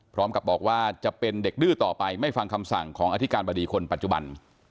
พร้อมกับบอกว่าจะเป็นเด็กดื้อต่อไปไม่ฟังคำสั่งของอธิการบดีคนปัจจุบัน